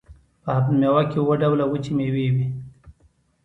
په هفت میوه کې اووه ډوله وچې میوې وي.